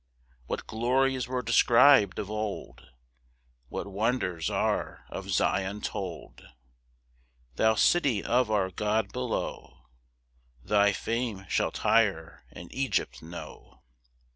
3 What glories were describ'd of old! What wonders are of Zion told! Thou city of our God below, Thy fame shall Tyre and Egypt know.